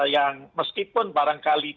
yang meskipun barangkali